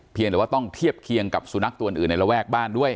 หรือว่าต้องเทียบเคียงกับสุนัขตัวอื่นในระแวกบ้านด้วย